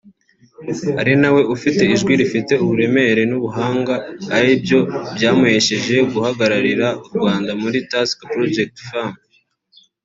na we afite ijwi rifite uburemere n’ubuhanga ari nabyo byamuhesheje guhagararira u Rwanda muri Tusker Project Fame